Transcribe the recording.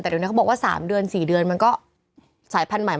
แต่เดี๋ยวนี้เขาบอกว่า๓เดือน๔เดือนมันก็สายพันธุ์ใหม่